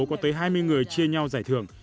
có tới hai mươi người chia nhau giải thưởng